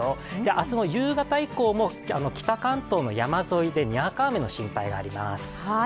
明日の夕方以降も北関東の山沿いでにわか雨の心配があります。